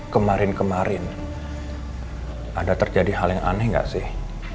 kemarin kemarin ada terjadi hal yang aneh nggak sih